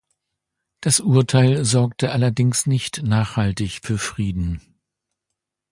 Das Urteil sorgte allerdings nicht nachhaltig für Frieden.